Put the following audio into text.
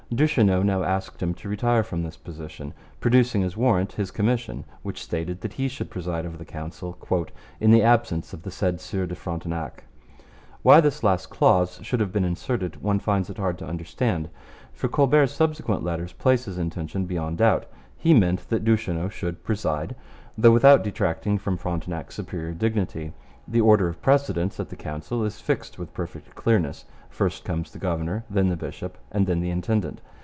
Duchesneau now asked him to retire from this position, producing as warrant his commission which stated that he should preside over the Council, 'in the absence of the said Sieur de Frontenac.' Why this last clause should have been inserted one finds it hard to understand, for Colbert's subsequent letters place his intention beyond doubt. He meant that Duchesneau should preside, though without detracting from Frontenac's superior dignity. The order of precedence at the Council is fixed with perfect clearness. First comes the governor, then the bishop, and then the intendant.